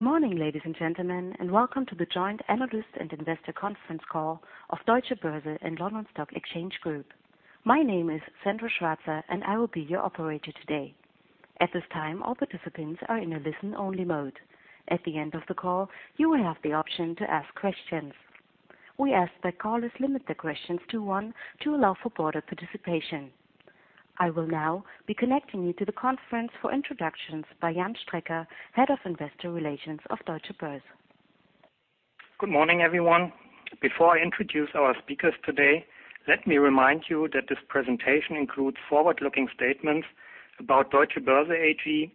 Morning, ladies and gentlemen, and welcome to the joint analyst and investor conference call of Deutsche Börse and London Stock Exchange Group. My name is Sandra Schwarzer, and I will be your operator today. At this time, all participants are in a listen-only mode. At the end of the call, you will have the option to ask questions. We ask that callers limit their questions to one to allow for broader participation. I will now be connecting you to the conference for introductions by Jan Strecker, Head of Investor Relations of Deutsche Börse. Good morning, everyone. Before I introduce our speakers today, let me remind you that this presentation includes forward-looking statements about Deutsche Börse AG,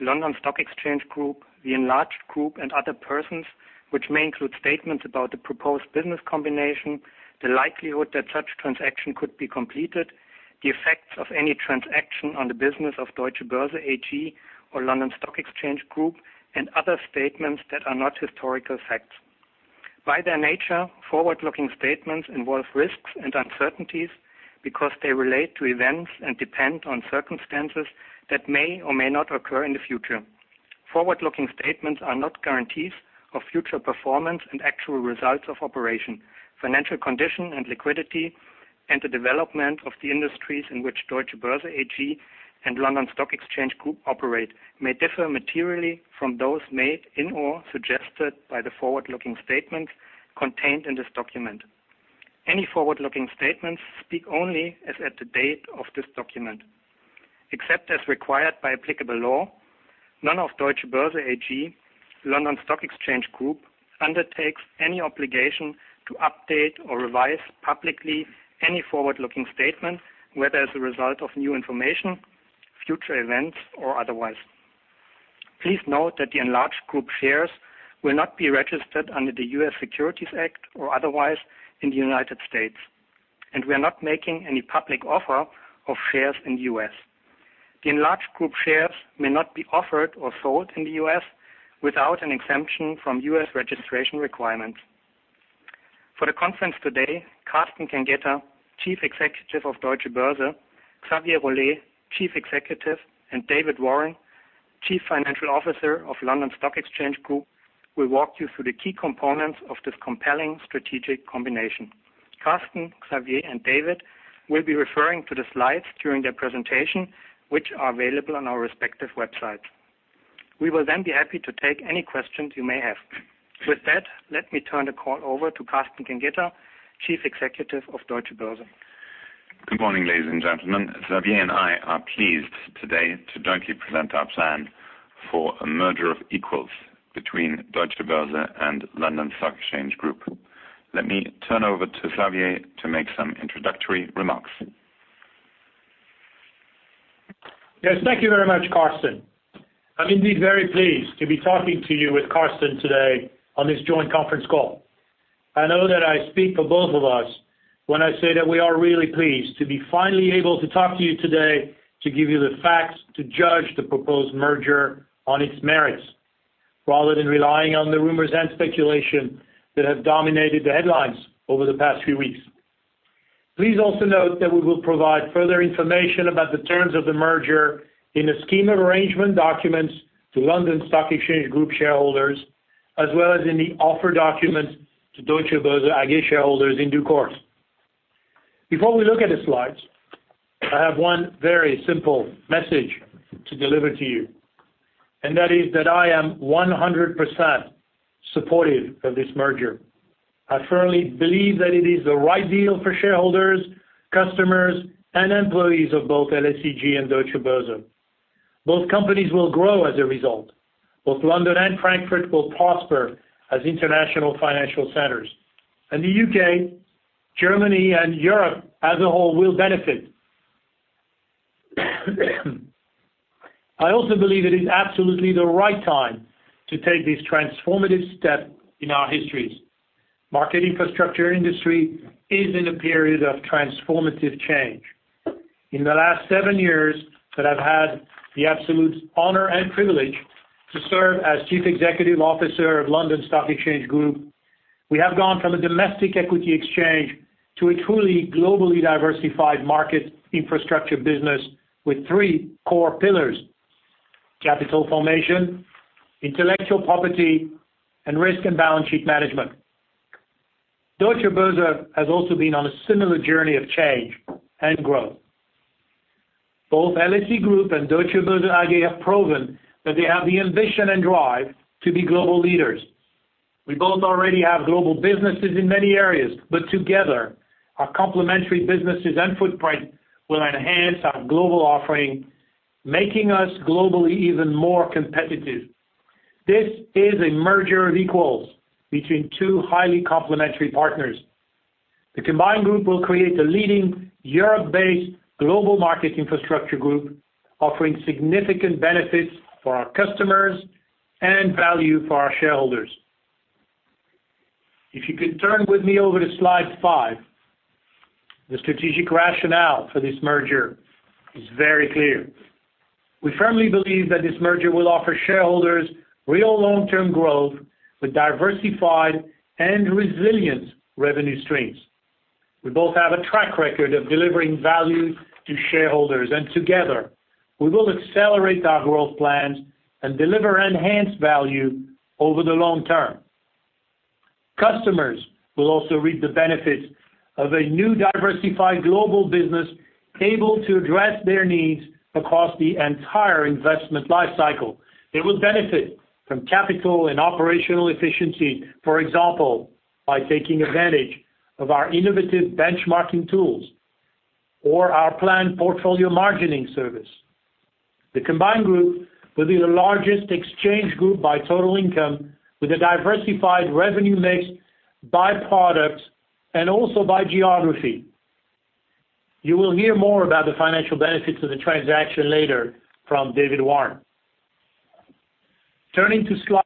London Stock Exchange Group, the enlarged group, and other persons, which may include statements about the proposed business combination, the likelihood that such transaction could be completed, the effects of any transaction on the business of Deutsche Börse AG or London Stock Exchange Group, and other statements that are not historical facts. By their nature, forward-looking statements involve risks and uncertainties because they relate to events and depend on circumstances that may or may not occur in the future. Forward-looking statements are not guarantees of future performance and actual results of operation. Financial condition and liquidity and the development of the industries in which Deutsche Börse AG and London Stock Exchange Group operate may differ materially from those made in or suggested by the forward-looking statements contained in this document. Any forward-looking statements speak only as at the date of this document. Except as required by applicable law, none of Deutsche Börse AG, London Stock Exchange Group undertakes any obligation to update or revise publicly any forward-looking statement, whether as a result of new information, future events, or otherwise. Please note that the enlarged group shares will not be registered under the U.S. Securities Act or otherwise in the United States, and we are not making any public offer of shares in the U.S. The enlarged group shares may not be offered or sold in the U.S. without an exemption from U.S. registration requirements. For the conference today, Carsten Kengeter, Chief Executive of Deutsche Börse, Xavier Rolet, Chief Executive, and David Warren, Chief Financial Officer of London Stock Exchange Group, will walk you through the key components of this compelling strategic combination. Carsten, Xavier, and David will be referring to the slides during their presentation, which are available on our respective websites. We will then be happy to take any questions you may have. With that, let me turn the call over to Carsten Kengeter, Chief Executive of Deutsche Börse. Good morning, ladies and gentlemen. Xavier and I are pleased today to jointly present our plan for a merger of equals between Deutsche Börse and London Stock Exchange Group. Let me turn over to Xavier to make some introductory remarks. Yes. Thank you very much, Carsten. I am indeed very pleased to be talking to you with Carsten today on this joint conference call. I know that I speak for both of us when I say that we are really pleased to be finally able to talk to you today to give you the facts to judge the proposed merger on its merits, rather than relying on the rumors and speculation that have dominated the headlines over the past few weeks. Please also note that we will provide further information about the terms of the merger in the scheme of arrangement documents to London Stock Exchange Group shareholders, as well as in the offer documents to Deutsche Börse AG shareholders in due course. Before we look at the slides, I have one very simple message to deliver to you, and that is that I am 100% supportive of this merger. I firmly believe that it is the right deal for shareholders, customers, and employees of both LSEG and Deutsche Börse. Both companies will grow as a result. Both London and Frankfurt will prosper as international financial centers, and the U.K., Germany, and Europe as a whole will benefit. I also believe it is absolutely the right time to take this transformative step in our histories. Market infrastructure industry is in a period of transformative change. In the last seven years that I have had the absolute honor and privilege to serve as Chief Executive Officer of London Stock Exchange Group, we have gone from a domestic equity exchange to a truly globally diversified market infrastructure business with three core pillars: capital formation, intellectual property, and risk and balance sheet management. Deutsche Börse has also been on a similar journey of change and growth. Both LSE Group and Deutsche Börse AG have proven that they have the ambition and drive to be global leaders. We both already have global businesses in many areas, together, our complementary businesses and footprint will enhance our global offering, making us globally even more competitive. This is a merger of equals between two highly complementary partners. The combined group will create a leading Europe-based global market infrastructure group offering significant benefits for our customers and value for our shareholders. If you could turn with me over to slide five, the strategic rationale for this merger is very clear. We firmly believe that this merger will offer shareholders real long-term growth with diversified and resilient revenue streams. We both have a track record of delivering value to shareholders, together we will accelerate our growth plans and deliver enhanced value over the long term. Customers will also reap the benefits of a new diversified global business able to address their needs across the entire investment life cycle. They will benefit from capital and operational efficiency. For example, by taking advantage of our innovative benchmarking tools or our planned portfolio margining service. The combined group will be the largest exchange group by total income with a diversified revenue mix by product and also by geography. You will hear more about the financial benefits of the transaction later from David Warren. Turning to slide,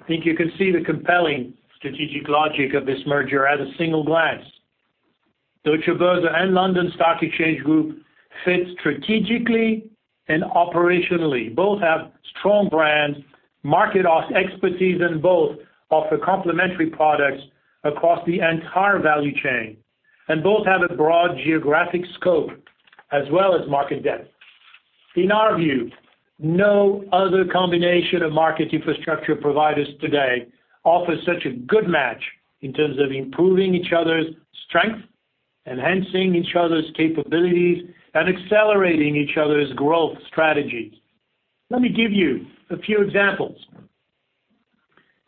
I think you can see the compelling strategic logic of this merger at a single glance. Deutsche Börse and London Stock Exchange Group fit strategically and operationally. Both have strong brands, market expertise, and both offer complementary products across the entire value chain, and both have a broad geographic scope as well as market depth. In our view, no other combination of market infrastructure providers today offer such a good match in terms of improving each other's strength, enhancing each other's capabilities, and accelerating each other's growth strategies. Let me give you a few examples.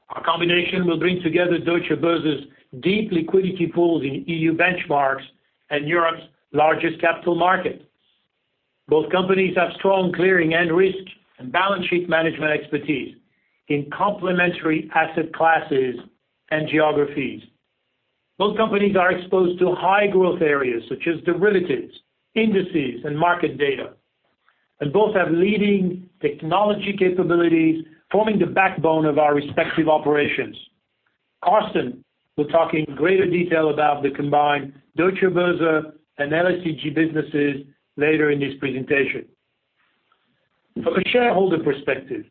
Our combination will bring together Deutsche Börse's deep liquidity pools in EU benchmarks and Europe's largest capital market. Both companies have strong clearing and risk and balance sheet management expertise in complementary asset classes and geographies. Both companies are exposed to high-growth areas such as derivatives, indices, and market data. Both have leading technology capabilities, forming the backbone of our respective operations. Carsten will talk in greater detail about the combined Deutsche Börse and LSEG businesses later in his presentation. From a shareholder perspective,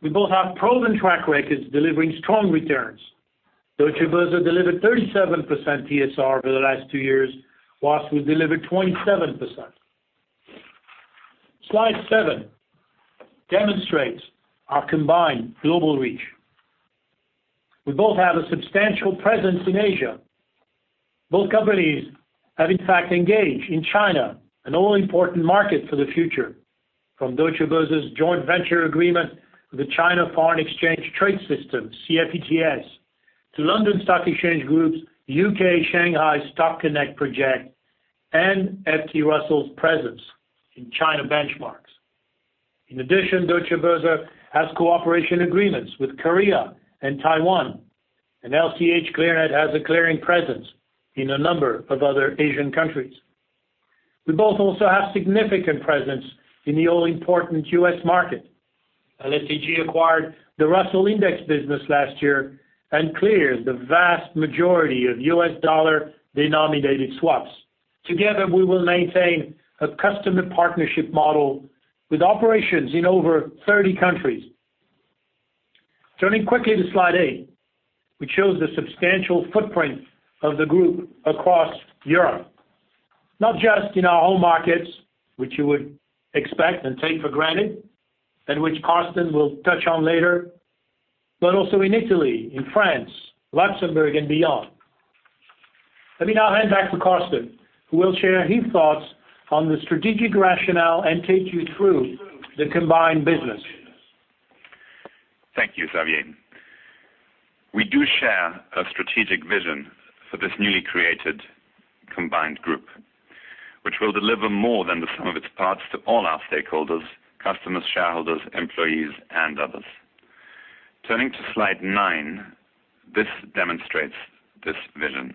we both have proven track records delivering strong returns. Deutsche Börse delivered 37% TSR over the last two years, whilst we delivered 27%. Slide seven demonstrates our combined global reach. We both have a substantial presence in Asia. Both companies have in fact engaged in China, an all-important market for the future. From Deutsche Börse's joint venture agreement with the China Foreign Exchange Trade System, CFETS, to London Stock Exchange Group's UK Shanghai Stock Connect project and FTSE Russell's presence in China benchmarks. In addition, Deutsche Börse has cooperation agreements with Korea and Taiwan, and LCH.Clearnet has a clearing presence in a number of other Asian countries. We both also have significant presence in the all-important U.S. market. LSEG acquired the Russell Index business last year and clears the vast majority of U.S. dollar-denominated swaps. Together, we will maintain a customer partnership model with operations in over 30 countries. Turning quickly to slide eight, which shows the substantial footprint of the group across Europe, not just in our own markets, which you would expect and take for granted, and which Carsten will touch on later, but also in Italy, in France, Luxembourg, and beyond. Let me now hand back to Carsten, who will share his thoughts on the strategic rationale and take you through the combined business. Thank you, Xavier. We do share a strategic vision for this newly created combined group, which will deliver more than the sum of its parts to all our stakeholders, customers, shareholders, employees, and others. Turning to slide nine, this demonstrates this vision.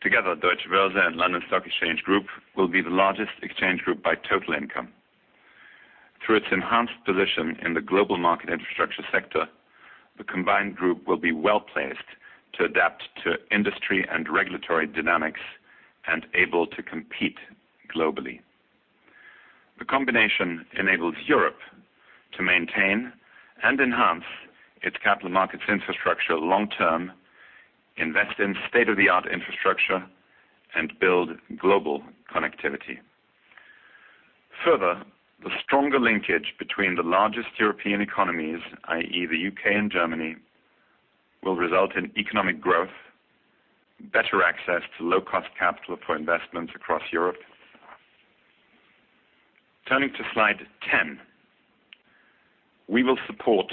Together, Deutsche Börse and London Stock Exchange Group will be the largest exchange group by total income. Through its enhanced position in the global market infrastructure sector, the combined group will be well-placed to adapt to industry and regulatory dynamics and able to compete globally. The combination enables Europe to maintain and enhance its capital markets infrastructure long term, invest in state-of-the-art infrastructure, and build global connectivity. Further, the stronger linkage between the largest European economies, i.e., the U.K. and Germany, will result in economic growth, better access to low-cost capital for investment across Europe. Turning to slide 10. We will support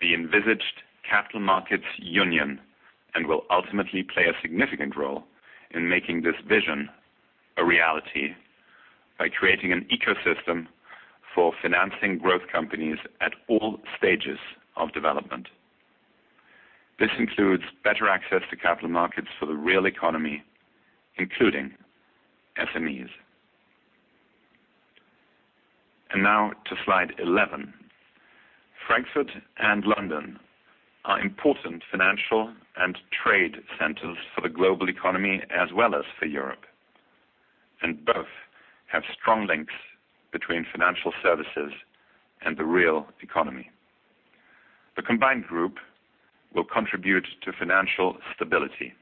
the envisaged Capital Markets Union and will ultimately play a significant role in making this vision a reality by creating an ecosystem for financing growth companies at all stages of development. This includes better access to capital markets for the real economy, including SMEs. Now to slide 11. Frankfurt and London are important financial and trade centers for the global economy as well as for Europe. Strong links between financial services and the real economy. The combined group will contribute to financial stability.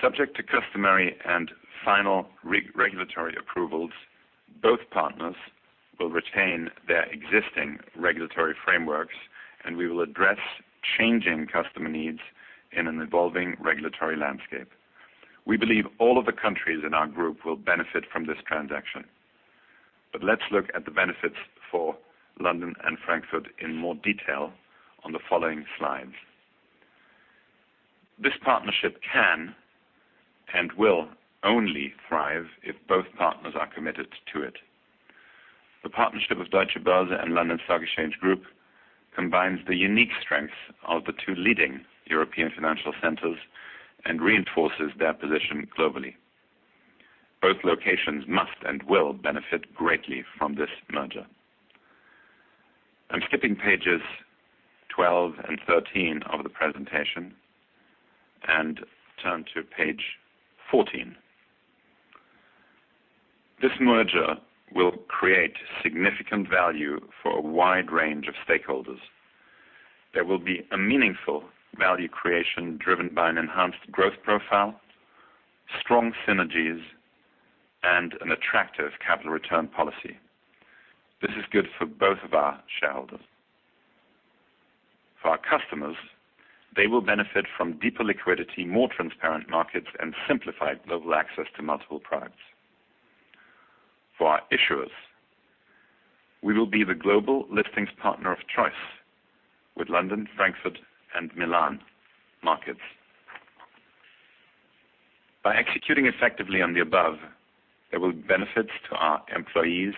Subject to customary and final regulatory approvals, both partners will retain their existing regulatory frameworks, and we will address changing customer needs in an evolving regulatory landscape. We believe all of the countries in our group will benefit from this transaction. Let's look at the benefits for London and Frankfurt in more detail on the following slides. This partnership can and will only thrive if both partners are committed to it. The partnership of Deutsche Börse and London Stock Exchange Group combines the unique strengths of the two leading European financial centers and reinforces their position globally. Both locations must and will benefit greatly from this merger. I'm skipping pages 12 and 13 of the presentation and turn to page 14. This merger will create significant value for a wide range of stakeholders. There will be a meaningful value creation driven by an enhanced growth profile, strong synergies, and an attractive capital return policy. This is good for both of our shareholders. For our customers, they will benefit from deeper liquidity, more transparent markets, and simplified global access to multiple products. For our issuers, we will be the global listings partner of choice with London, Frankfurt and Milan markets. By executing effectively on the above, there will benefits to our employees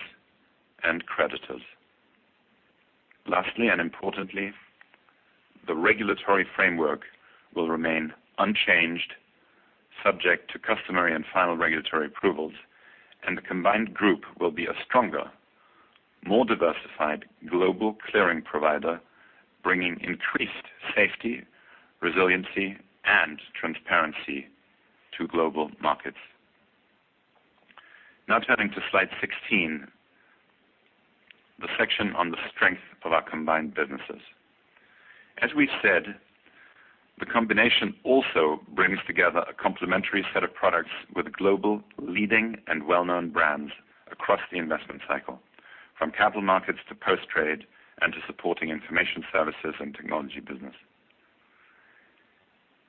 and creditors. Lastly and importantly, the regulatory framework will remain unchanged, subject to customary and final regulatory approvals. The combined group will be a stronger, more diversified global clearing provider, bringing increased safety, resiliency, and transparency to global markets. Turning to slide 16, the section on the strength of our combined businesses. We said, the combination also brings together a complementary set of products with global leading and well-known brands across the investment cycle, from capital markets to post-trade and to supporting information services and technology business.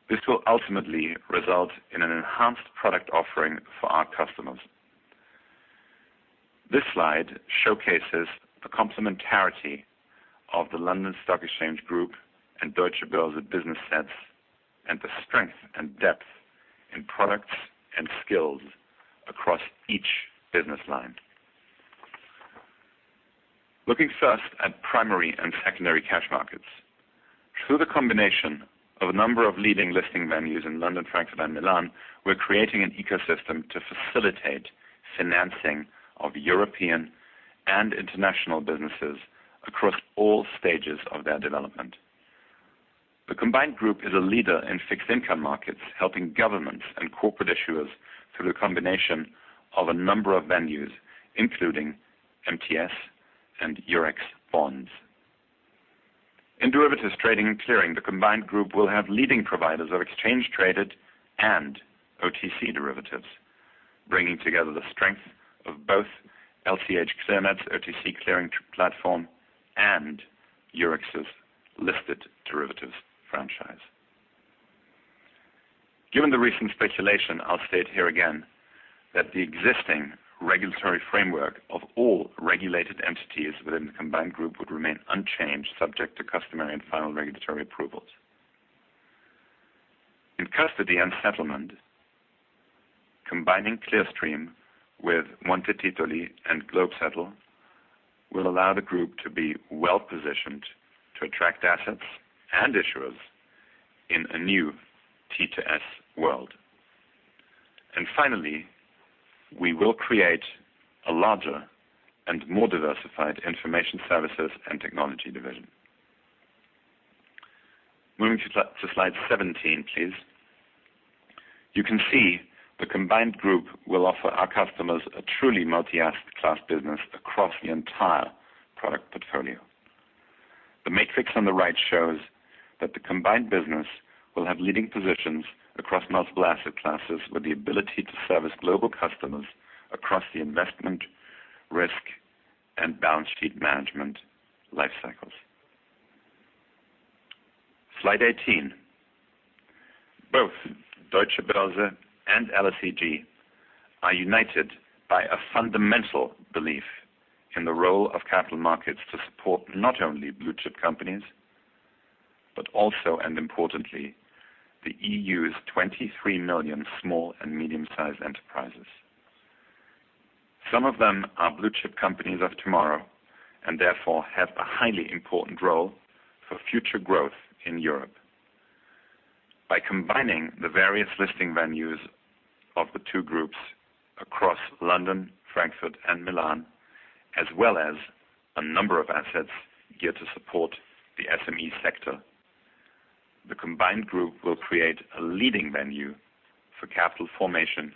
This will ultimately result in an enhanced product offering for our customers. This slide showcases the complementarity of the London Stock Exchange Group and Deutsche Börse business sets and the strength and depth in products and skills across each business line. Looking first at primary and secondary cash markets. Through the combination of a number of leading listing venues in London, Frankfurt and Milan, we're creating an ecosystem to facilitate financing of European and international businesses across all stages of their development. The combined group is a leader in fixed income markets, helping governments and corporate issuers through a combination of a number of venues, including MTS and Eurex Bonds. In derivatives trading and clearing, the combined group will have leading providers of exchange-traded and OTC derivatives, bringing together the strength of both LCH.Clearnet's OTC clearing platform and Eurex's listed derivatives franchise. Given the recent speculation, I'll state here again that the existing regulatory framework of all regulated entities within the combined group would remain unchanged, subject to customary and final regulatory approvals. In custody and settlement, combining Clearstream with Monte Titoli and globeSettle will allow the group to be well-positioned to attract assets and issuers in a new T2S world. Finally, we will create a larger and more diversified information services and technology division. Moving to slide 17, please. You can see the combined group will offer our customers a truly multi-asset class business across the entire product portfolio. The matrix on the right shows that the combined business will have leading positions across multiple asset classes with the ability to service global customers across the investment risk and balance sheet management life cycles. Slide 18. Both Deutsche Börse and LSEG are united by a fundamental belief in the role of capital markets to support not only blue-chip companies, but also, and importantly, the EU's 23 million small and medium-sized enterprises. Some of them are blue-chip companies of tomorrow and therefore have a highly important role for future growth in Europe. By combining the various listing venues of the two groups across London, Frankfurt and Milan, as well as a number of assets here to support the SME sector. The combined group will create a leading venue for capital formation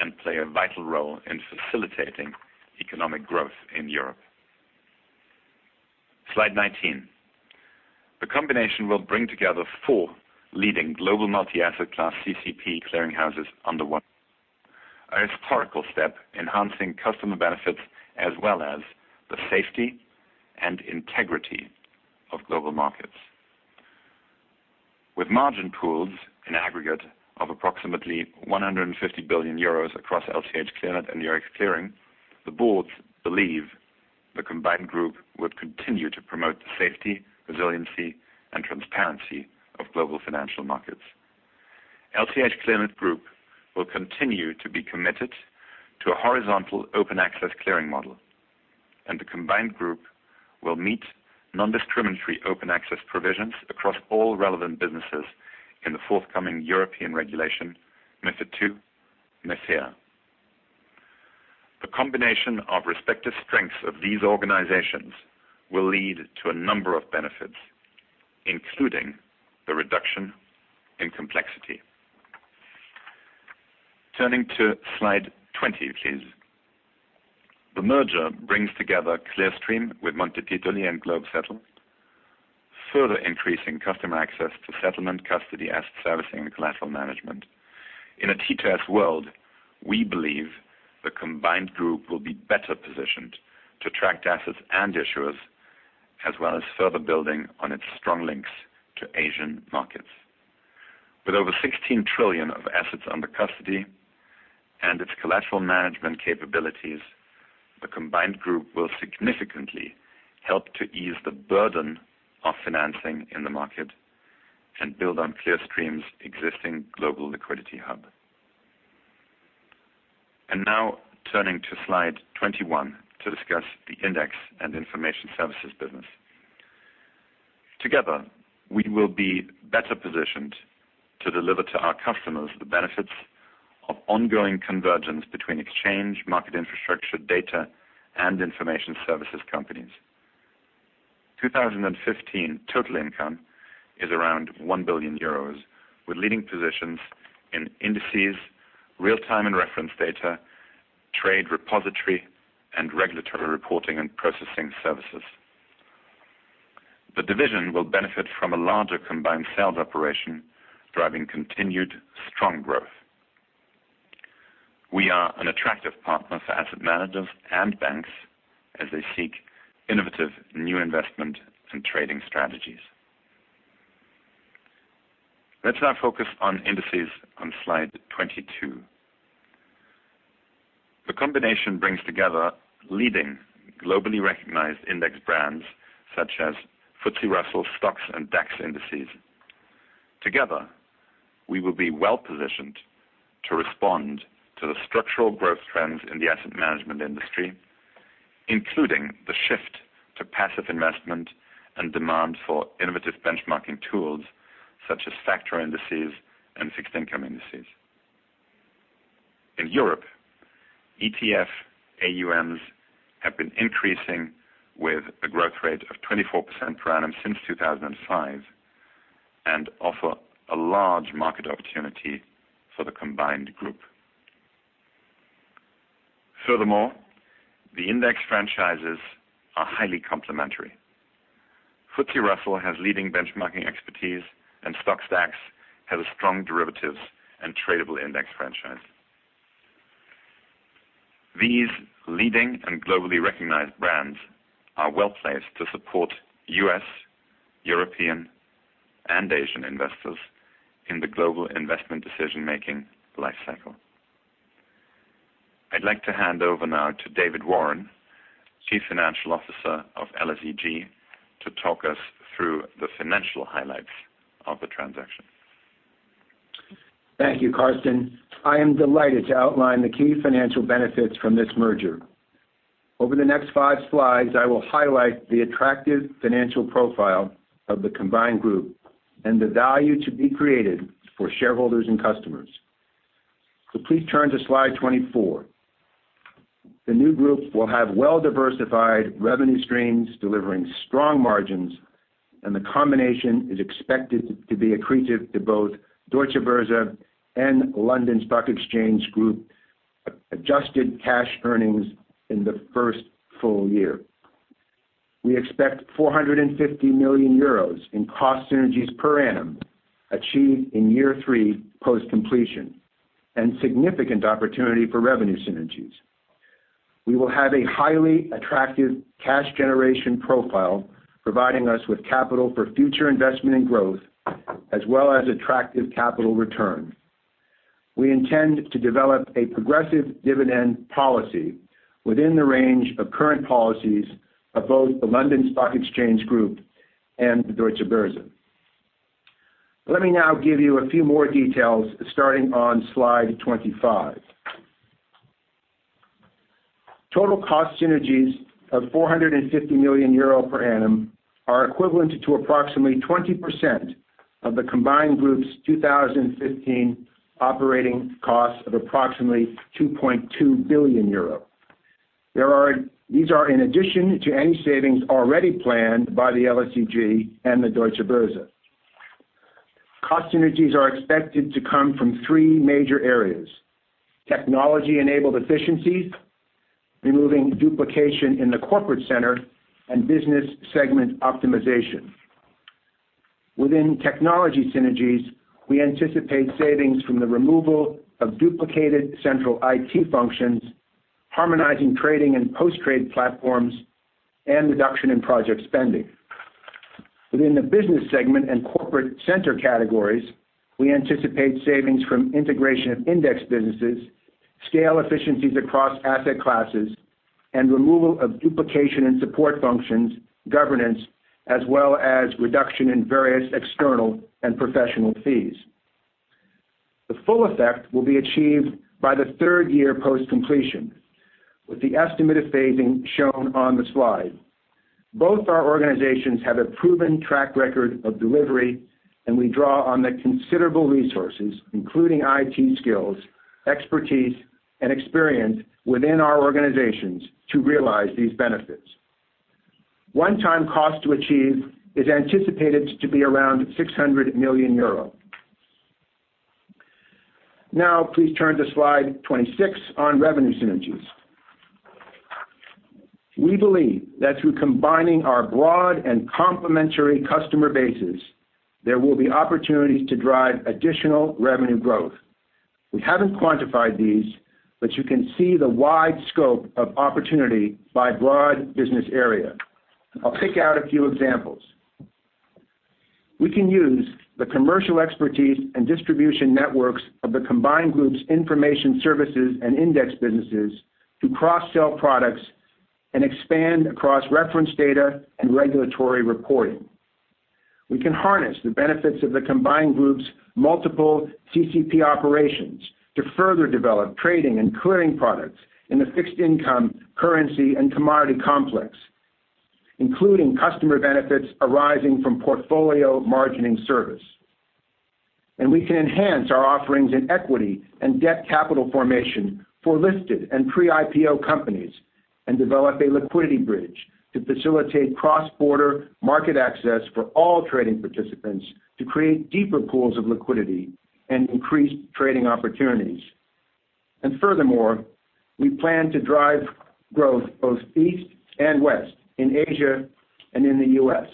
and play a vital role in facilitating economic growth in Europe. Slide 19. The combination will bring together four leading global multi-asset class CCP clearing houses under one historical step, enhancing customer benefits as well as the safety and integrity of global markets. With margin pools, an aggregate of approximately 150 billion euros across LCH.Clearnet and Eurex Clearing, the boards believe the combined group would continue to promote the safety, resiliency, and transparency of global financial markets. LCH.Clearnet Group will continue to be committed to a horizontal open access clearing model. The combined group will meet non-discriminatory open access provisions across all relevant businesses in the forthcoming European regulation, MiFID II MiFIR. The combination of respective strengths of these organizations will lead to a number of benefits, including the reduction in complexity. Turning to slide 20, please. The merger brings together Clearstream with Monte Titoli and globeSettle, further increasing customer access to settlement custody, asset servicing, and collateral management. In a T2S world, we believe the combined group will be better positioned to attract assets and issuers, as well as further building on its strong links to Asian markets. With over 16 trillion of assets under custody and its collateral management capabilities, the combined group will significantly help to ease the burden of financing in the market and build on Clearstream's existing global liquidity hub. Now turning to slide 21 to discuss the index and information services business. Together, we will be better positioned to deliver to our customers the benefits of ongoing convergence between exchange, market infrastructure, data, and information services companies. 2015 total income is around 1 billion euros, with leading positions in indices, real-time and reference data, trade repository, and regulatory reporting and processing services. The division will benefit from a larger combined sales operation, driving continued strong growth. We are an attractive partner for asset managers and banks as they seek innovative new investment and trading strategies. Let's now focus on indices on slide 22. The combination brings together leading globally recognized index brands such as FTSE Russell, STOXX and DAX indices. Together, we will be well-positioned to respond to the structural growth trends in the asset management industry, including the shift to passive investment and demand for innovative benchmarking tools such as factor indices and fixed income indices. In Europe, ETF AUMs have been increasing with a growth rate of 24% per annum since 2005 and offer a large market opportunity for the combined group. Furthermore, the index franchises are highly complementary. FTSE Russell has leading benchmarking expertise, and STOXX DAX has a strong derivatives and tradable index franchise. These leading and globally recognized brands are well-placed to support U.S., European, and Asian investors in the global investment decision-making lifecycle. I'd like to hand over now to David Warren, Chief Financial Officer of LSEG, to talk us through the financial highlights of the transaction. Thank you, Carsten. I am delighted to outline the key financial benefits from this merger. Over the next five slides, I will highlight the attractive financial profile of the combined group and the value to be created for shareholders and customers. Please turn to slide 24. The new group will have well-diversified revenue streams, delivering strong margins, and the combination is expected to be accretive to both Deutsche Börse and London Stock Exchange Group adjusted cash earnings in the first full year. We expect 450 million euros in cost synergies per annum achieved in year three post-completion and significant opportunity for revenue synergies. We will have a highly attractive cash generation profile, providing us with capital for future investment and growth, as well as attractive capital return. We intend to develop a progressive dividend policy within the range of current policies of both the London Stock Exchange Group and the Deutsche Börse. Let me now give you a few more details, starting on slide 25. Total cost synergies of 450 million euro per annum are equivalent to approximately 20% of the combined group's 2015 operating costs of approximately 2.2 billion euro. These are in addition to any savings already planned by the LSEG and the Deutsche Börse. Cost synergies are expected to come from three major areas: technology-enabled efficiencies, removing duplication in the corporate center, and business segment optimization. Within technology synergies, we anticipate savings from the removal of duplicated central IT functions, harmonizing trading and post-trade platforms, and reduction in project spending. Within the business segment and corporate center categories, we anticipate savings from integration of index businesses, scale efficiencies across asset classes, and removal of duplication and support functions, governance, as well as reduction in various external and professional fees. The full effect will be achieved by the third year post-completion, with the estimated phasing shown on the slide. Both our organizations have a proven track record of delivery, and we draw on the considerable resources, including IT skills, expertise, and experience within our organizations, to realize these benefits. One-time cost to achieve is anticipated to be around 600 million euro. Please turn to slide 26 on revenue synergies. We believe that through combining our broad and complementary customer bases, there will be opportunities to drive additional revenue growth. We haven't quantified these, but you can see the wide scope of opportunity by broad business area. I'll pick out a few examples. We can use the commercial expertise and distribution networks of the combined groups' information services and index businesses to cross-sell products and expand across reference data and regulatory reporting. We can harness the benefits of the combined groups' multiple CCP operations to further develop trading and clearing products in the fixed income, currency, and commodity complex, including customer benefits arising from portfolio margining service. We can enhance our offerings in equity and debt capital formation for listed and pre-IPO companies, and develop a liquidity bridge to facilitate cross-border market access for all trading participants to create deeper pools of liquidity and increase trading opportunities. Furthermore, we plan to drive growth both east and west in Asia and in the U.S.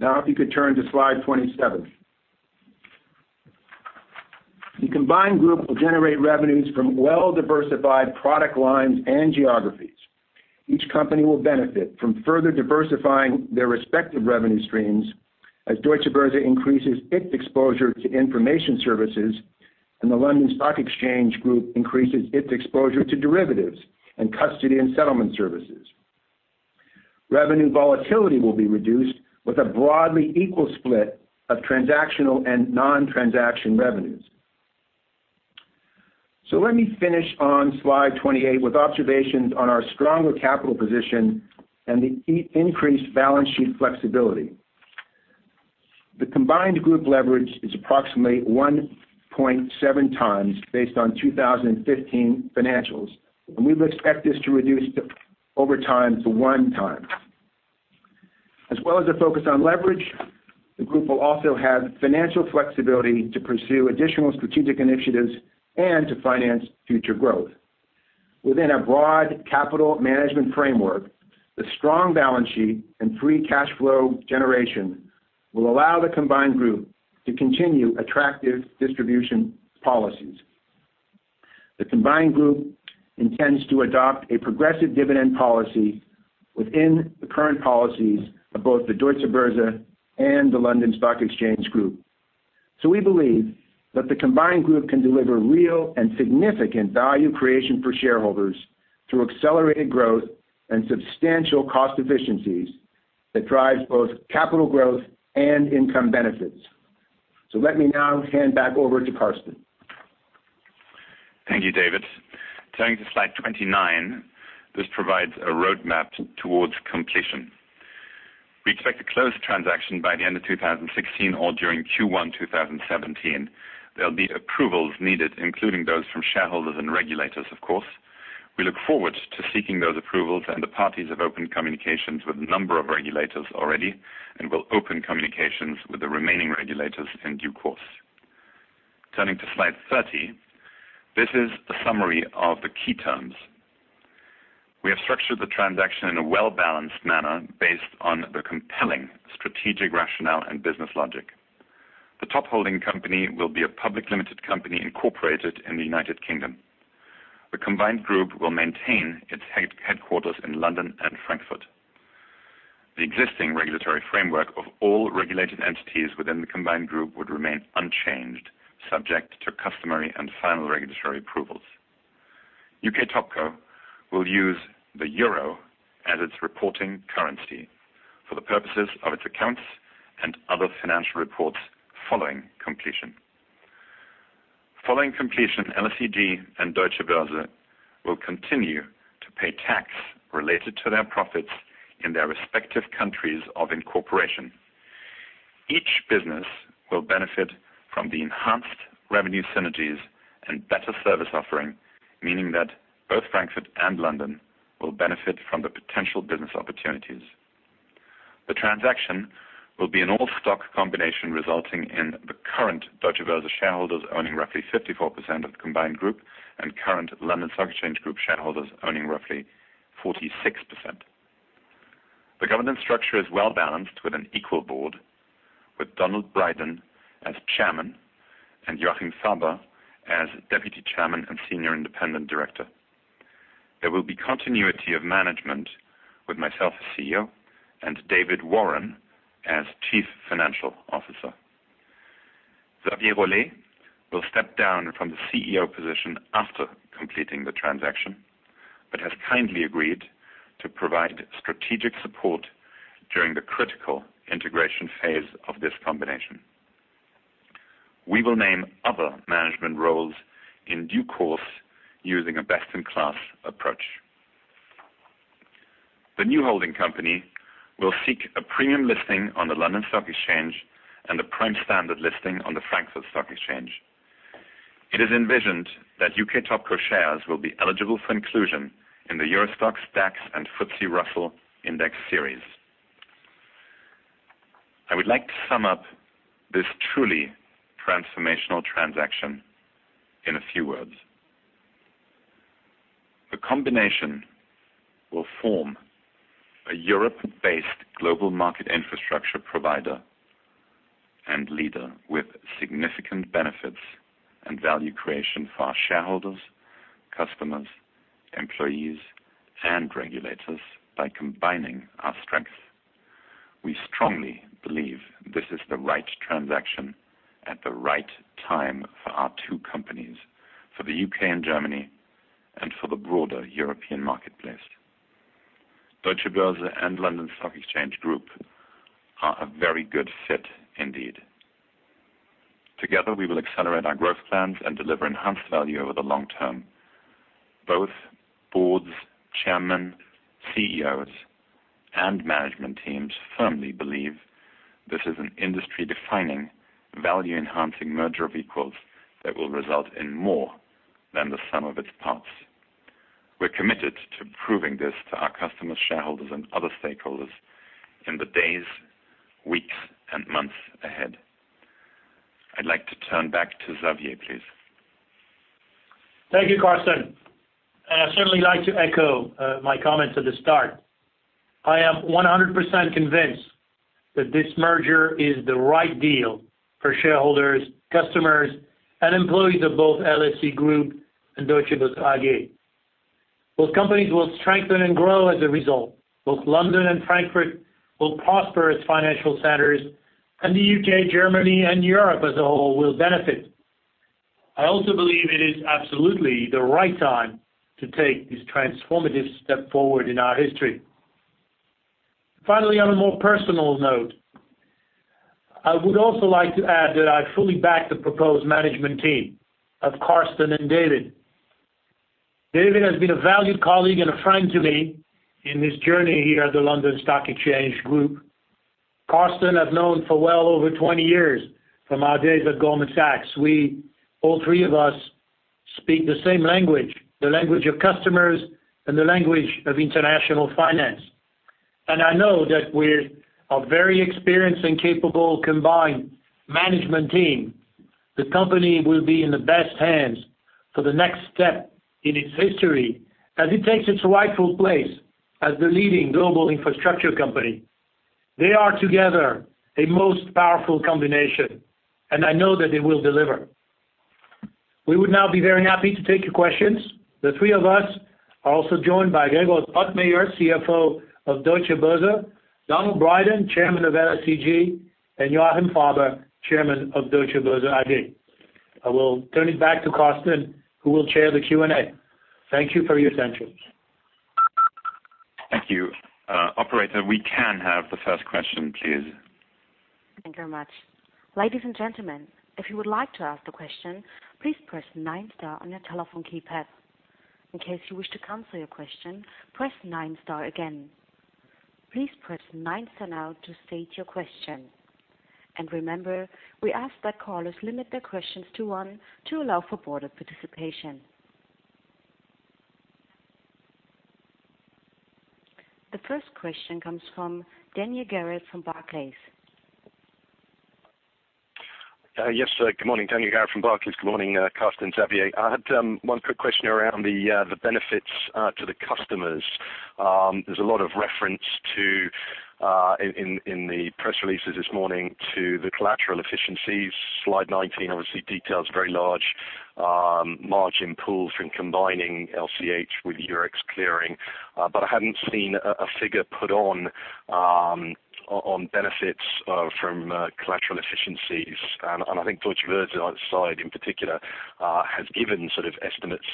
If you could turn to slide 27. Each company will benefit from further diversifying their respective revenue streams as Deutsche Börse increases its exposure to information services and the London Stock Exchange Group increases its exposure to derivatives and custody and settlement services. Revenue volatility will be reduced with a broadly equal split of transactional and non-transaction revenues. Let me finish on slide 28 with observations on our stronger capital position and the increased balance sheet flexibility. The combined group leverage is approximately 1.7 times based on 2015 financials, and we would expect this to reduce over time to one time. As well as a focus on leverage, the group will also have financial flexibility to pursue additional strategic initiatives and to finance future growth. Within a broad capital management framework, the strong balance sheet and free cash flow generation will allow the combined group to continue attractive distribution policies. The combined group intends to adopt a progressive dividend policy within the current policies of both the Deutsche Börse and the London Stock Exchange Group. We believe that the combined group can deliver real and significant value creation for shareholders through accelerated growth and substantial cost efficiencies that drives both capital growth and income benefits. Let me now hand back over to Carsten. Thank you, David. Turning to slide 29, this provides a roadmap towards completion. We expect to close the transaction by the end of 2016 or during Q1 2017. There'll be approvals needed, including those from shareholders and regulators, of course. The parties have opened communications with a number of regulators already and will open communications with the remaining regulators in due course. Turning to slide 30, this is a summary of the key terms. We have structured the transaction in a well-balanced manner based on the compelling strategic rationale and business logic. The top holding company will be a public limited company incorporated in the U.K. The combined group will maintain its headquarters in London and Frankfurt. The existing regulatory framework of all regulated entities within the combined group would remain unchanged, subject to customary and final regulatory approvals. UK TopCo will use the euro as its reporting currency for the purposes of its accounts and other financial reports following completion. Following completion, LSEG and Deutsche Börse will continue to pay tax related to their profits in their respective countries of incorporation. Each business will benefit from the enhanced revenue synergies and better service offering, meaning that both Frankfurt and London will benefit from the potential business opportunities. The transaction will be an all-stock combination resulting in the current Deutsche Börse shareholders owning roughly 54% of the combined group and current London Stock Exchange Group shareholders owning roughly 46%. The governance structure is well-balanced with an equal board, with Donald Brydon as Chairman and Joachim Faber as Deputy Chairman and Senior Independent Director. There will be continuity of management with myself as CEO and David Warren as Chief Financial Officer. Xavier Rolet will step down from the CEO position after completing the transaction but has kindly agreed to provide strategic support during the critical integration phase of this combination. We will name other management roles in due course using a best-in-class approach. The new holding company will seek a premium listing on the London Stock Exchange and a prime standard listing on the Frankfurt Stock Exchange. It is envisioned that UK TopCo shares will be eligible for inclusion in the EURO STOXX, and FTSE Russell Index Series. I would like to sum up this truly transformational transaction in a few words. The combination will form a Europe-based global market infrastructure provider and leader with significant benefits and value creation for our shareholders, customers, employees, and regulators by combining our strengths. We strongly believe this is the right transaction at the right time for our two companies, for the U.K. and Germany, and for the broader European marketplace. Deutsche Börse and London Stock Exchange Group are a very good fit indeed. Together, we will accelerate our growth plans and deliver enhanced value over the long term. Both boards, chairmen, CEOs, and management teams firmly believe this is an industry-defining, value-enhancing merger of equals that will result in more than the sum of its parts. We're committed to proving this to our customers, shareholders, and other stakeholders in the days, weeks, and months ahead. I'd like to turn back to Xavier, please. Thank you, Carsten. I certainly like to echo my comments at the start. I am 100% convinced that this merger is the right deal for shareholders, customers, and employees of both LSE Group and Deutsche Börse AG. Both companies will strengthen and grow as a result. Both London and Frankfurt will prosper as financial centers, and the U.K., Germany, and Europe as a whole will benefit. I also believe it is absolutely the right time to take this transformative step forward in our history. Finally, on a more personal note, I would also like to add that I fully back the proposed management team of Carsten and David. David has been a valued colleague and a friend to me in his journey here at the London Stock Exchange Group. Carsten, I've known for well over 20 years from our days at Goldman Sachs. We, all three of us, speak the same language, the language of customers and the language of international finance. I know that with our very experienced and capable combined management team, the company will be in the best hands for the next step in its history as it takes its rightful place as the leading global infrastructure company. They are, together, a most powerful combination, and I know that they will deliver. We would now be very happy to take your questions. The three of us are also joined by Gregor Pottmeyer, CFO of Deutsche Börse, Donald Brydon, Chairman of LSEG, and Joachim Faber, Chairman of Deutsche Börse AG. I will turn it back to Carsten, who will chair the Q&A. Thank you for your attention. Thank you. Operator, we can have the first question, please. Thank you very much. Ladies and gentlemen, if you would like to ask a question, please press nine star on your telephone keypad. In case you wish to cancel your question, press nine star again. Please press nine star now to state your question. Remember, we ask that callers limit their questions to one to allow for broader participation. The first question comes from Daniel Garrett from Barclays. Yes, good morning. Daniel Garrett from Barclays. Good morning, Carsten, Xavier. I had one quick question around the benefits to the customers. There's a lot of reference, in the press releases this morning, to the collateral efficiencies. Slide 19 obviously details very large margin pools from combining LCH with Eurex Clearing. I hadn't seen a figure put on benefits from collateral efficiencies. I think Deutsche Börse side in particular, has given sort of estimates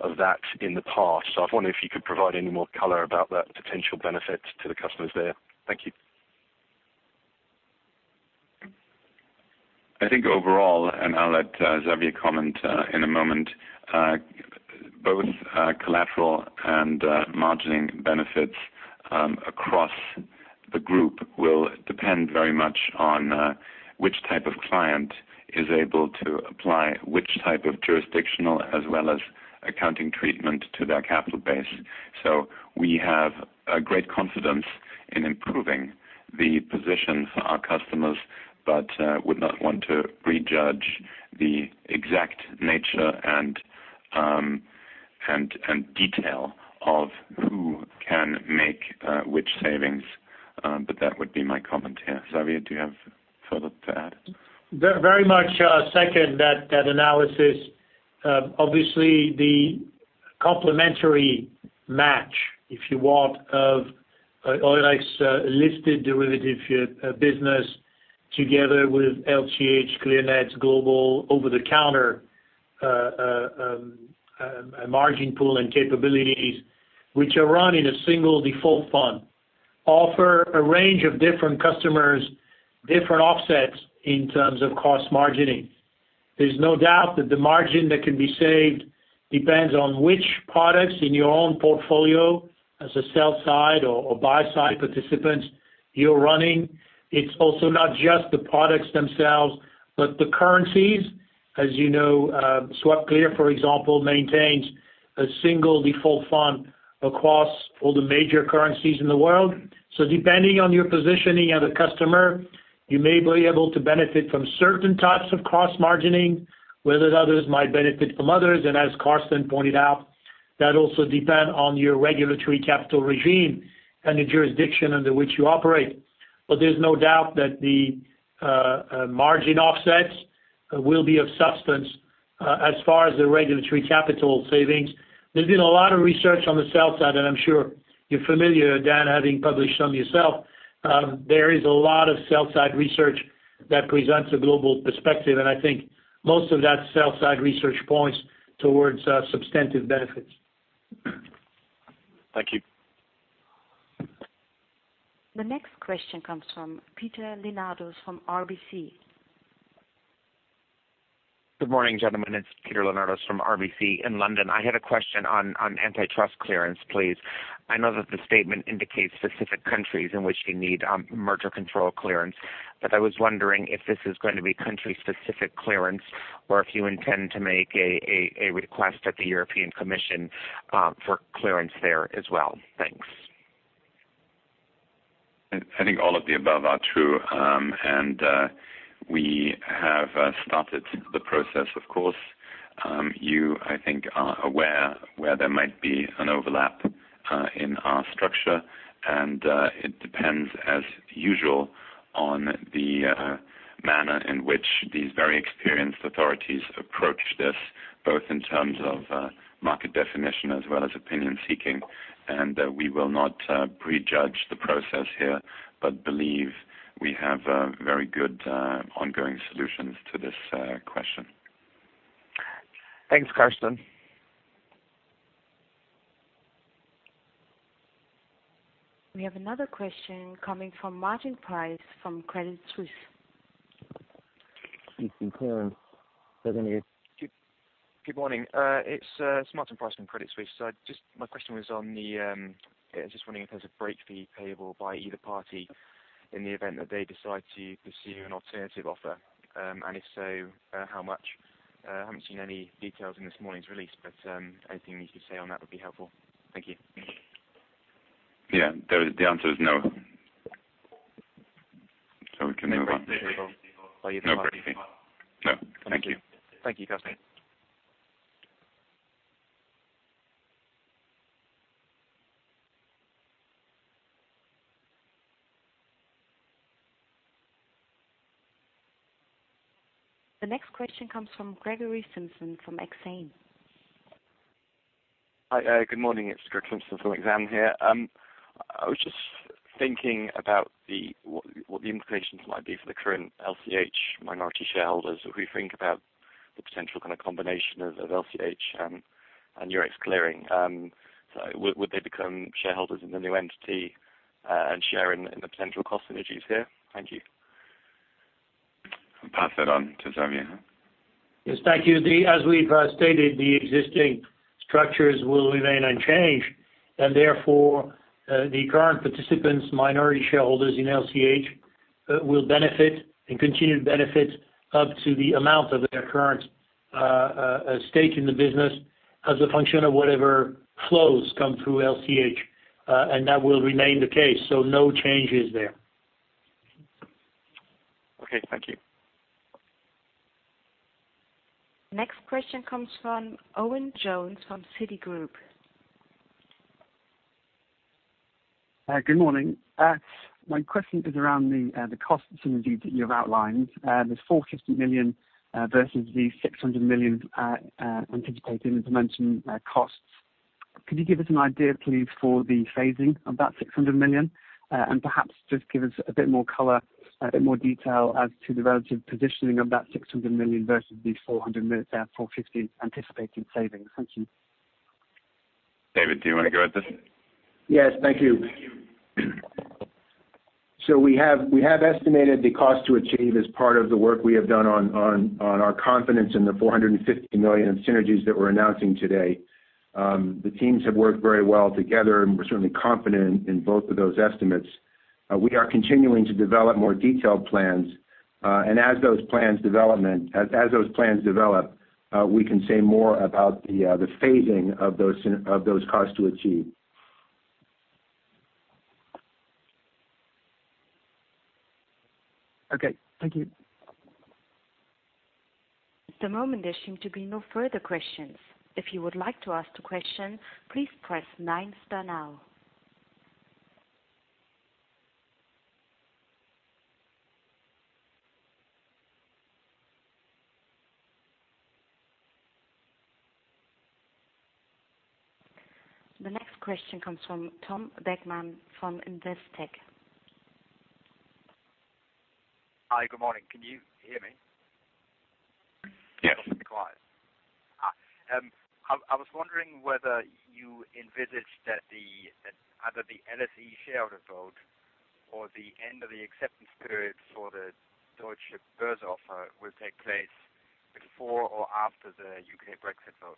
of that in the past. I wonder if you could provide any more color about that potential benefit to the customers there. Thank you. I think overall, and I'll let Xavier comment in a moment, both collateral and margining benefits across the group will depend very much on which type of client is able to apply which type of jurisdictional as well as accounting treatment to their capital base. We have a great confidence in improving the position for our customers, but would not want to prejudge the exact nature and detail of who can make which savings. That would be my comment here. Xavier, do you have further to add? Very much second that analysis. Obviously, the complementary match, if you want, of Eurex listed derivative business together with LCH.Clearnet's global over-the-counter margin pool and capabilities, which are run in a single default fund, offer a range of different customers different offsets in terms of cost margining. There's no doubt that the margin that can be saved depends on which products in your own portfolio as a sell side or buy side participants you're running. It's also not just the products themselves, but the currencies. As you know, SwapClear, for example, maintains a single default fund across all the major currencies in the world. Depending on your positioning as a customer, you may be able to benefit from certain types of cross margining, whether others might benefit from others, and as Carsten pointed out, that also depend on your regulatory capital regime and the jurisdiction under which you operate. There's no doubt that the margin offsets will be of substance as far as the regulatory capital savings. There's been a lot of research on the sell side, and I'm sure you're familiar, Dan, having published some yourself. There is a lot of sell-side research that presents a global perspective, and I think most of that sell side research points towards substantive benefits. Thank you. The next question comes from Peter Leonardos from RBC. Good morning, gentlemen. It's Peter Leonardos from RBC in London. I had a question on antitrust clearance, please. I know that the statement indicates specific countries in which you need merger control clearance, but I was wondering if this is going to be country-specific clearance or if you intend to make a request at the European Commission for clearance there as well. Thanks. I think all of the above are true. We have started the process, of course. You, I think, are aware where there might be an overlap in our structure, and it depends, as usual, on the manner in which these very experienced authorities approach this, both in terms of market definition as well as opinion seeking. We will not prejudge the process here, but believe we have very good ongoing solutions to this question. Thanks, Carsten. We have another question coming from Martin Price from Credit Suisse. You can hear him. Go ahead. Good morning. It's Martin Price from Credit Suisse. My question was just wondering if there's a break fee payable by either party in the event that they decide to pursue an alternative offer, and if so, how much? I haven't seen any details in this morning's release, but anything you could say on that would be helpful. Thank you. Yeah. The answer is no. We can move on. No break fee by either party. No break fee. No. Thank you. Thank you, Carsten. The next question comes from Gregory Simpson from Exane. Hi, good morning. It is Greg Simpson from Exane here. I was just thinking about what the implications might be for the current LCH minority shareholders if we think about the potential kind of combination of LCH and Eurex Clearing. Would they become shareholders in the new entity and share in the potential cost synergies here? Thank you. I will pass that on to Xavier. Yes, thank you. As we have stated, the existing structures will remain unchanged, and therefore, the current participants, minority shareholders in LCH will benefit and continue to benefit up to the amount of their current stake in the business as a function of whatever flows come through LCH. That will remain the case, no changes there. Okay, thank you. Next question comes from Owen Jones from Citigroup. Good morning. My question is around the cost synergies that you have outlined. There is 450 million versus the 600 million anticipated implementation costs. Could you give us an idea, please, for the phasing of that 600 million? Perhaps just give us a bit more color, a bit more detail as to the relative positioning of that 600 million versus the 450 anticipated savings. Thank you. David, do you want to go with this? Yes. Thank you. We have estimated the cost to achieve as part of the work we have done on our confidence in the 450 million synergies that we're announcing today. The teams have worked very well together. We're certainly confident in both of those estimates. We are continuing to develop more detailed plans. As those plans develop, we can say more about the phasing of those costs to achieve. Okay. Thank you. At the moment, there seem to be no further questions. If you would like to ask a question, please press nine star now. The next question comes from Tom Beckman from Investec. Hi. Good morning. Can you hear me? Yes. Quiet. I was wondering whether you envisaged that either the LSE shareholder vote or the end of the acceptance period for the Deutsche Börse offer will take place before or after the U.K. Brexit vote.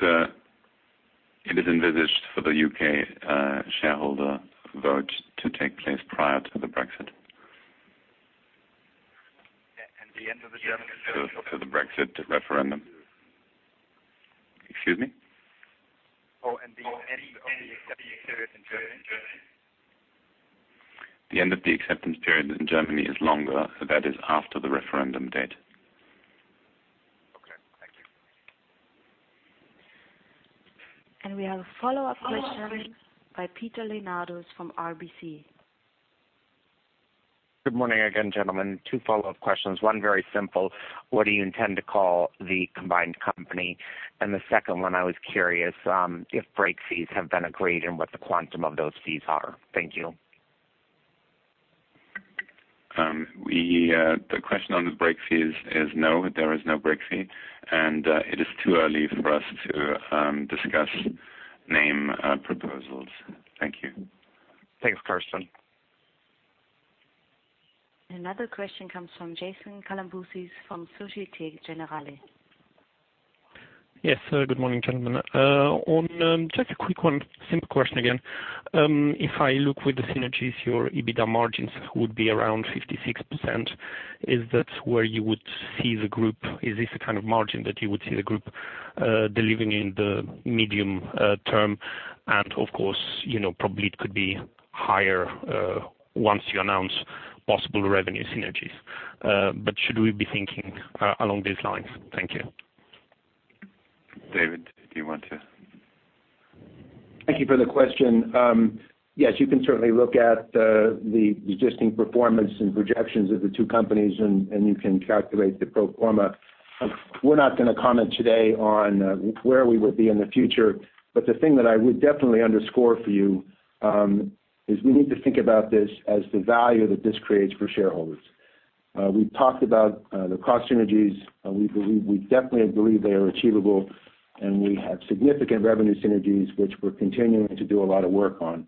It is envisaged for the U.K. shareholder vote to take place prior to the Brexit. The end of the German To the Brexit referendum. Excuse me? The end of the acceptance period in Germany. The end of the acceptance period in Germany is longer. That is after the referendum date. Okay. Thank you. We have a follow-up question by Peter Leonardos from RBC. Good morning again, gentlemen. Two follow-up questions, one very simple. What do you intend to call the combined company? The second one, I was curious if break fees have been agreed and what the quantum of those fees are. Thank you. The question on the break fees is no, there is no break fee. It is too early for us to discuss name proposals. Thank you. Thanks, Carsten. Another question comes from Jason Kalamboussis from Societe Generale. Yes. Good morning, gentlemen. Just a quick one simple question again. If I look with the synergies, your EBITDA margins would be around 56%. Is this the kind of margin that you would see the group delivering in the medium term? Of course, probably it could be higher once you announce possible revenue synergies. Should we be thinking along these lines? Thank you. David, do you want to Thank you for the question. Yes, you can certainly look at the existing performance and projections of the two companies, and you can calculate the pro forma. We're not going to comment today on where we will be in the future, but the thing that I would definitely underscore for you is we need to think about this as the value that this creates for shareholders. We talked about the cost synergies. We definitely believe they are achievable, and we have significant revenue synergies which we're continuing to do a lot of work on.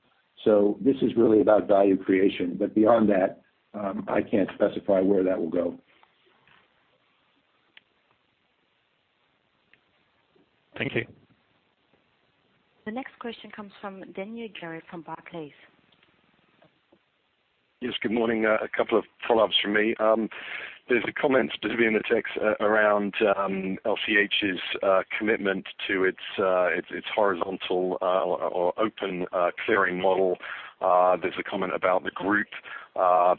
This is really about value creation. Beyond that, I can't specify where that will go. Thank you. The next question comes from Daniel Garrett from Barclays. Yes. Good morning. A couple of follow-ups from me. There's a comment buried in the text around LCH's commitment to its horizontal or open clearing model. There's a comment about the group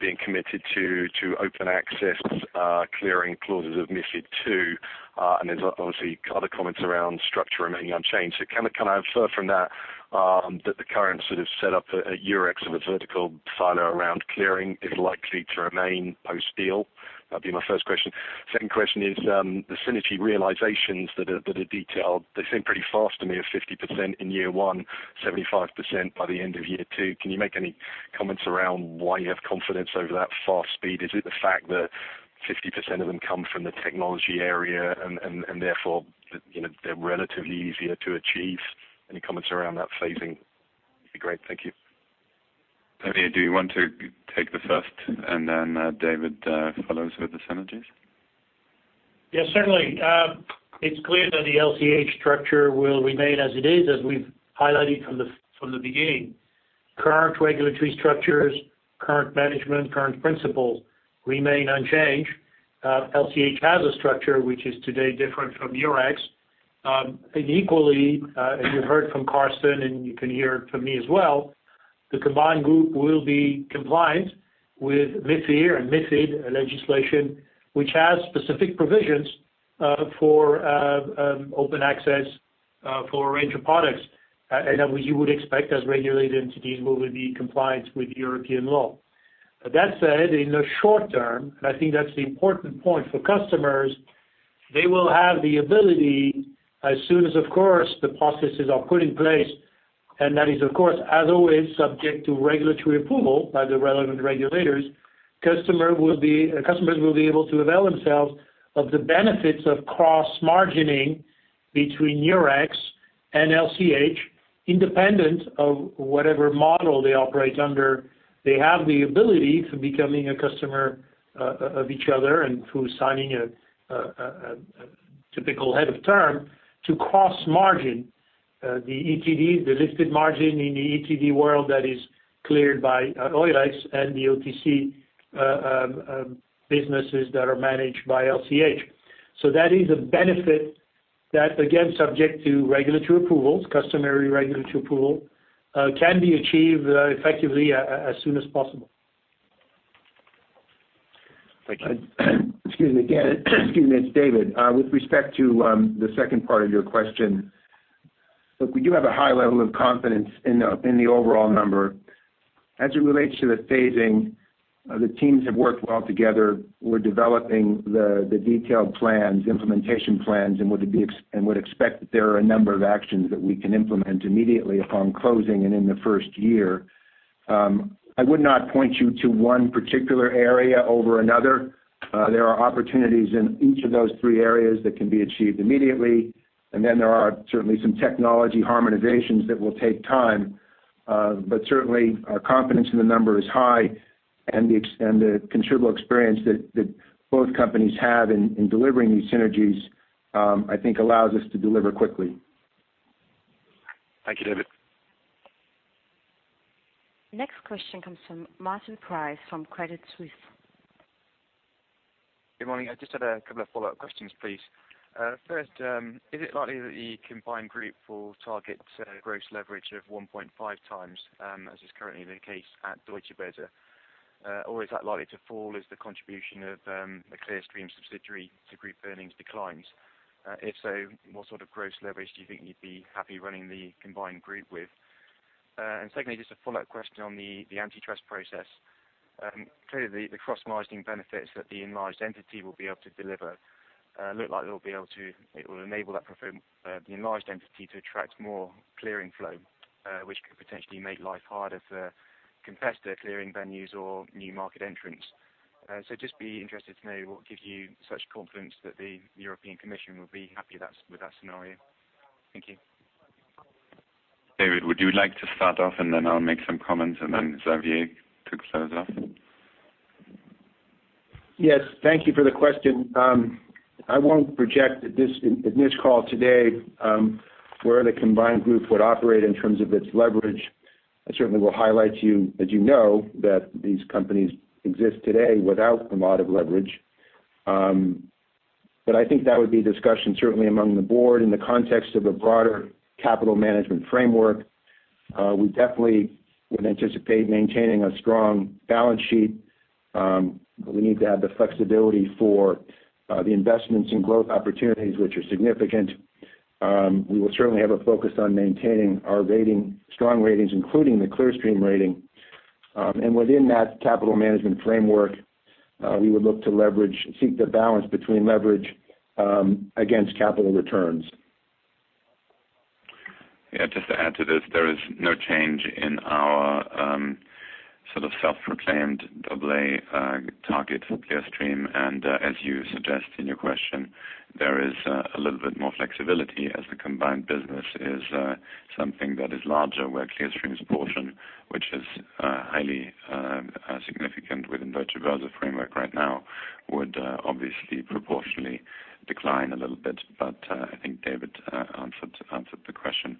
being committed to open access clearing clauses of MiFID II, and there's obviously other comments around structure remaining unchanged. Can I infer from that that the current sort of set up at Eurex of a vertical silo around clearing is likely to remain post-deal? That'd be my first question. Second question is the synergy realizations that are detailed. They seem pretty fast to me of 50% in year one, 75% by the end of year two. Can you make any comments around why you have confidence over that fast speed? Is it the fact that 50% of them come from the technology area and therefore they're relatively easier to achieve? Any comments around that phasing would be great. Thank you. Daniel, do you want to take the first, and then David follows with the synergies? Yes, certainly. It's clear that the LCH structure will remain as it is, as we've highlighted from the beginning. Current regulatory structures, current management, current principles remain unchanged. LCH has a structure which is today different from Eurex. Equally, as you heard from Carsten, and you can hear it from me as well, the combined group will be compliant with MiFIR and MiFID legislation, which has specific provisions for open access for a range of products. You would expect as regulated entities, we would be compliant with European law. That said, in the short term, I think that's the important point for customers, they will have the ability as soon as, of course, the processes are put in place. That is of course, as always, subject to regulatory approval by the relevant regulators. Customers will be able to avail themselves of the benefits of cross-margining between Eurex and LCH, independent of whatever model they operate under. They have the ability to becoming a customer of each other and through signing a typical head of term to cross-margin the ETD, the listed margin in the ETD world that is cleared by Eurex and the OTC businesses that are managed by LCH. That is a benefit that, again, subject to regulatory approvals, customary regulatory approval, can be achieved effectively as soon as possible. Thank you. Excuse me again. Excuse me. It's David. With respect to the second part of your question, look, we do have a high level of confidence in the overall number. As it relates to the phasing, the teams have worked well together. We're developing the detailed plans, implementation plans, would expect that there are a number of actions that we can implement immediately upon closing in the first year. I would not point you to one particular area over another. There are opportunities in each of those three areas that can be achieved immediately, then there are certainly some technology harmonizations that will take time. Certainly, our confidence in the number is high the considerable experience that both companies have in delivering these synergies, I think allows us to deliver quickly. Thank you, David. Next question comes from Martin Price from Credit Suisse. Good morning. I just had a couple of follow-up questions, please. First, is it likely that the combined group will target gross leverage of 1.5 times, as is currently the case at Deutsche Börse? Or is that likely to fall as the contribution of the Clearstream subsidiary to group earnings declines? If so, what sort of gross leverage do you think you'd be happy running the combined group with? Secondly, just a follow-up question on the antitrust process. Clearly, the cross-margining benefits that the enlarged entity will be able to deliver look like it will enable the enlarged entity to attract more clearing flow, which could potentially make life harder for competitor clearing venues or new market entrants. So just be interested to know what gives you such confidence that the European Commission will be happy with that scenario. Thank you. David, would you like to start off, and then I'll make some comments, and then Xavier to close off? Yes. Thank you for the question. I won't project in this call today where the combined group would operate in terms of its leverage. I certainly will highlight to you that you know that these companies exist today without a lot of leverage. I think that would be a discussion certainly among the board in the context of a broader capital management framework. We definitely would anticipate maintaining a strong balance sheet, but we need to have the flexibility for the investments in growth opportunities, which are significant. We will certainly have a focus on maintaining our strong ratings, including the Clearstream rating. Within that capital management framework, we would look to seek the balance between leverage against capital returns. Yeah, just to add to this, there is no change in our sort of self-proclaimed double A target for Clearstream. As you suggest in your question, there is a little bit more flexibility as the combined business is something that is larger, where Clearstream's portion, which is highly significant within Deutsche Börse framework right now, would obviously proportionally decline a little bit. I think David answered the question.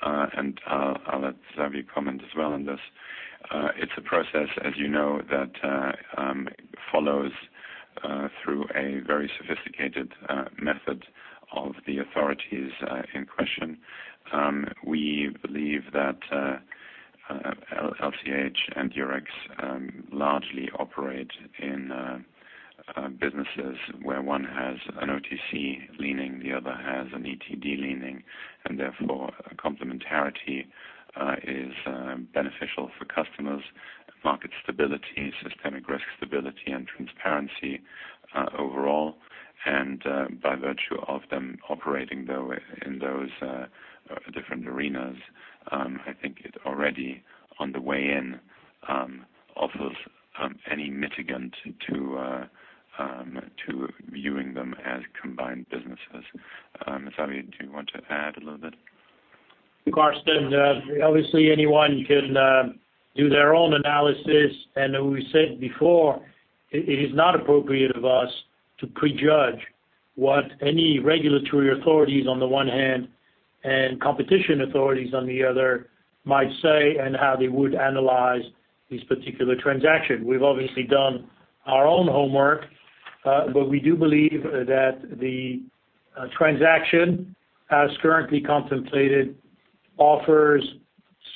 As far as antitrust, I'll let Xavier comment as well on this. It's a process, as you know, that follows through a very sophisticated method of the authorities in question. We believe that LCH and Eurex largely operate in businesses where one has an OTC leaning, the other has an ETD leaning, and therefore complementarity is beneficial for customers, market stability, systemic risk stability, and transparency overall. By virtue of them operating in those different arenas, I think it already on the way in offers any mitigant to viewing them as combined businesses. Xavier, do you want to add a little bit? Carsten, obviously anyone can do their own analysis. As we said before, it is not appropriate of us to prejudge what any regulatory authorities on the one hand and competition authorities on the other might say and how they would analyze this particular transaction. We've obviously done our own homework. We do believe that the transaction as currently contemplated offers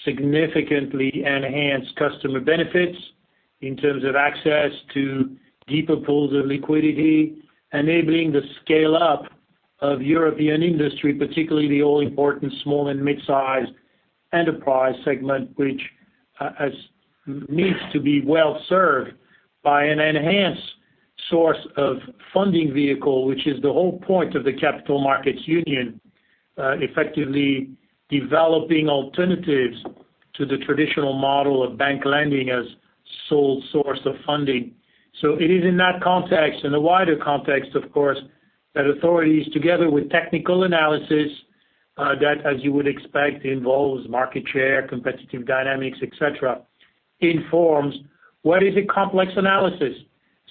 significantly enhanced customer benefits in terms of access to deeper pools of liquidity, enabling the scale-up of European industry, particularly the all-important small and mid-sized enterprise segment, which needs to be well-served by an enhanced source of funding vehicle, which is the whole point of the Capital Markets Union, effectively developing alternatives to the traditional model of bank lending as sole source of funding. It is in that context, in the wider context, of course, that authorities, together with technical analysis, that, as you would expect, involves market share, competitive dynamics, et cetera, informs what is a complex analysis.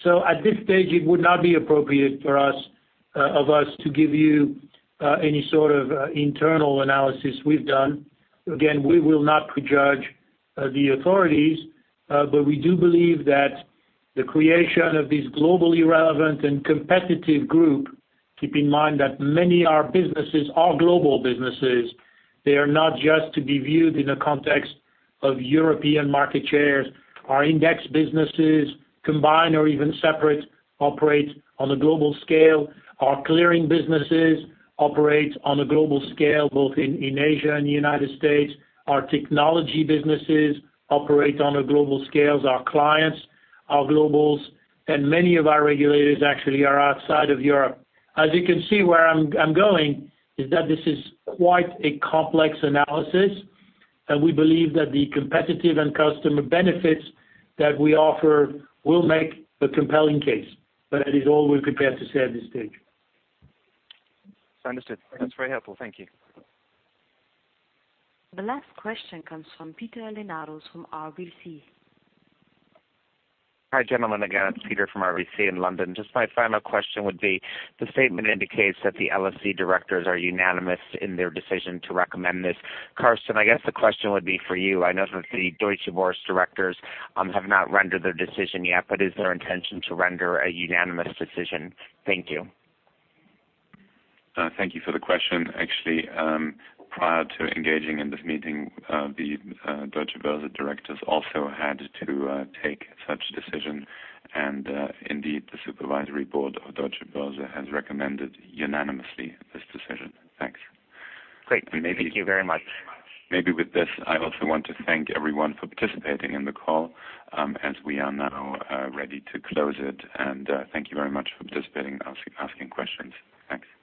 At this stage, it would not be appropriate of us to give you any sort of internal analysis we've done. Again, we will not prejudge the authorities, but we do believe that the creation of this globally relevant and competitive group, keep in mind that many are businesses, are global businesses. They are not just to be viewed in a context of European market shares. Our index businesses, combined or even separate, operate on a global scale. Our clearing businesses operate on a global scale, both in Asia and the U.S. Our technology businesses operate on a global scale. Our clients are globals, many of our regulators actually are outside of Europe. As you can see, where I'm going is that this is quite a complex analysis, we believe that the competitive and customer benefits that we offer will make a compelling case. It is all we're prepared to say at this stage. Understood. That's very helpful. Thank you. The last question comes from Peter Leonardos from RBC. Hi, gentlemen. My final question would be, the statement indicates that the LSE directors are unanimous in their decision to recommend this. Carsten, I guess the question would be for you. I know that the Deutsche Börse directors have not rendered their decision yet, but is their intention to render a unanimous decision? Thank you. Thank you for the question. Actually, prior to engaging in this meeting, the Deutsche Börse directors also had to take such a decision. Indeed, the supervisory board of Deutsche Börse has recommended unanimously this decision. Thanks. Great. Thank you very much. Maybe with this, I also want to thank everyone for participating in the call, as we are now ready to close it. Thank you very much for participating and asking questions. Thanks.